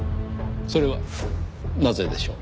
それはなぜでしょう？